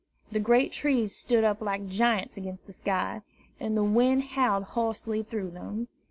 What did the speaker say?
The great trees stood up like giants against the sky, and the wind howled hoarsely through them.